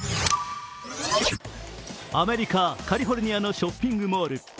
アメリカ・カリフォルニアのショッピングモール。